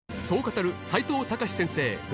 そう語る齋藤孝先生